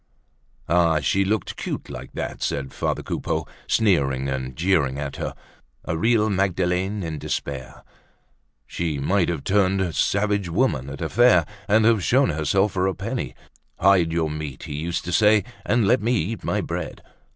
Ah! she looked cute like that said father Coupeau, sneering and jeering at her, a real Magdalene in despair! She might have turned "savage woman" at a fair, and have shown herself for a penny. Hide your meat, he used to say, and let me eat my bread!